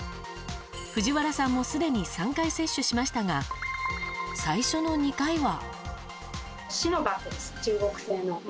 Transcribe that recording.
藤原さんもすでに３回接種しましたが最初の２回は？